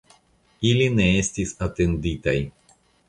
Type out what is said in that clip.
Ili ne estis atendintaj.